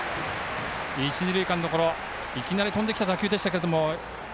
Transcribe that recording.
一、二塁間のいきなり飛んできた打球でしたけれども。